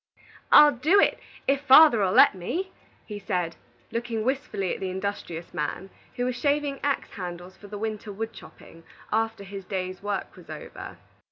"I'll do it, if father'll let me," he said, looking wistfully at the industrious man, who was shaving axe handles for the winter wood chopping, after his day's work was over.